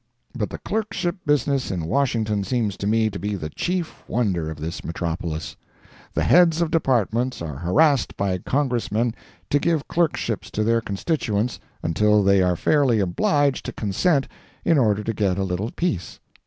But the clerkship business in Washington seems to me to be the chief wonder of this metropolis. The heads of Departments are harassed by Congressmen to give clerkships to their constituents until they are fairly obliged to consent in order to get a little peace.